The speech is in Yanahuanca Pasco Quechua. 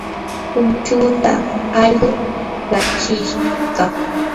punchuuta allqu rachishqa.